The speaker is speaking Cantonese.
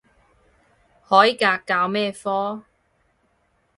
海格教咩科？